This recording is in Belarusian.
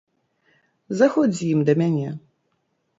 Заходзь з ім да мяне.